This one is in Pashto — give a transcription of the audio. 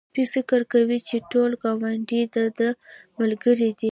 سپی فکر کوي چې ټول ګاونډيان د ده ملګري دي.